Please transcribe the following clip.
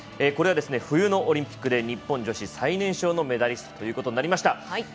これは冬のオリンピックで日本女子最年少のメダリストということになりました。